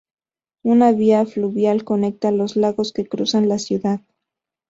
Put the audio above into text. Una vía fluvial conecta los lagos que cruzan la ciudad.